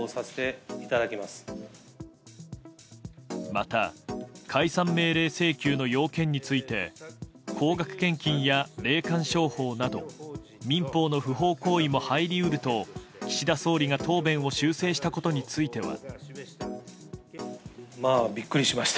また、解散命令請求の要件について高額献金や霊感商法など民法の不法行為も入り得ると岸田総理が答弁を修正したことについては。